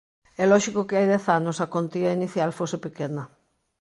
É lóxico que hai dez anos a contía inicial fose pequena.